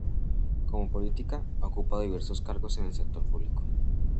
Como política, ha ocupado diversos cargos en el sector público.